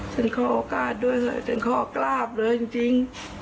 ฉันขอโอกาสด้วยเลยฉันขอกราบเลยจริง